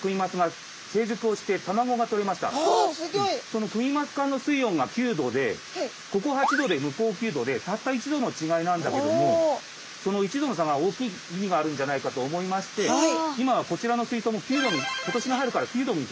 そのクニマス館の水温が９℃でここ８℃で向こう９℃でたった１℃の違いなんだけどもその１℃の差が大きい意味があるんじゃないかと思いまして今はこちらの水槽も９℃に今年の春から９℃に。